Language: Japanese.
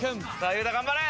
優太頑張れ！